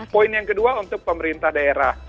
poin yang kedua untuk pemerintah daerah